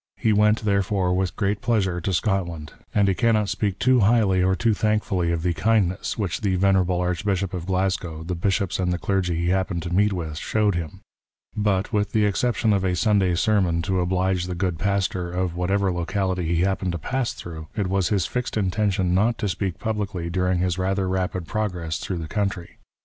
He went, therefore, with great pleasure to Scotland, and he cannot speak too highly or too thankfully of the kindness which the Venerable Archbishop of Glasgow, the Bishops and the Clergy he happened to meet with showed him. But, with the exception of a Sunday sermon to oblige the good pastor of whatever locality he happened to pass through, it was his fixed intention not to speak publicly during his rather rapid progress through the country.